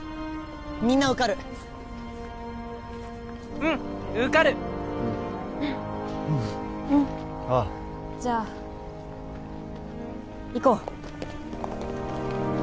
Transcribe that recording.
みんな受かるうん受かるうんうんああじゃあ行こう